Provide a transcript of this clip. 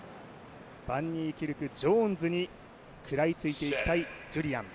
バンニーキルク、ジョーンズに食らいついていきたいジュリアン。